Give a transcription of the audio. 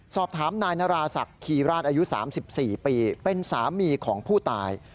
สอบถามนายนราศักดิ์คีราชอายุ๓๔ปีเป็นสามีของผู้ตาย